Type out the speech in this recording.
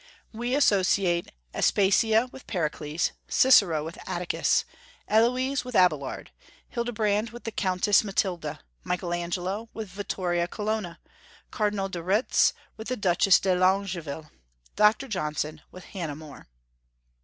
We associate Aspasia with Pericles; Cicero with Atticus; Héloïse with Abélard; Hildebrand with the Countess Matilda; Michael Angelo with Vittoria Colonna; Cardinal de Retz with the Duchess de Longueville; Dr. Johnson with Hannah More.